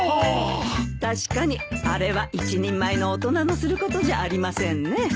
確かにあれは一人前の大人のすることじゃありませんね。